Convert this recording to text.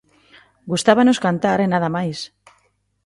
Gustábanos cantar e nada máis.